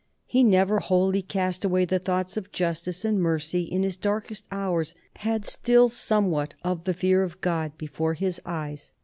... He never wholly cast away the thoughts of justice and mercy, and in his darkest hours had still somewhat of the fear of God before his eyes.